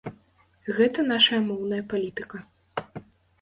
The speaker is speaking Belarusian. Гэта нашая моўная палітыка.